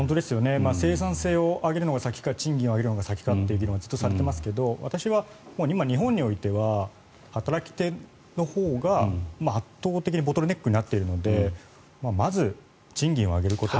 生産性を上げるのが先か賃金を上げるのが先かという議論がずっとされていますが私は今、日本においては働き手のほうが圧倒的にボトルネックになっているのでまず賃金を上げること